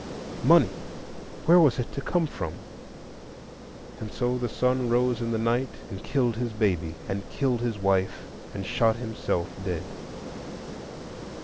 Money! Where was it to come from? And so the son rose in the night and killed his baby, and killed his wife, and shot himself dead.